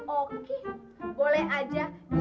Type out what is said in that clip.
oke boleh aja